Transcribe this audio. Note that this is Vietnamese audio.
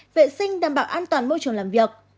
vệ sinh đảm bảo an toàn môi trường làm việc